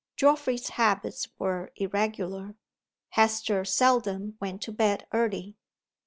Geoffrey's habits were irregular; Hester seldom went to bed early.